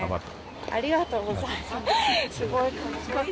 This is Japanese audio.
ありがとうございます。